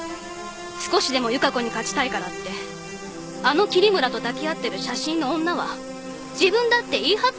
少しでも由加子に勝ちたいからってあの桐村と抱き合ってる写真の女は自分だって言い張ったんでしょ？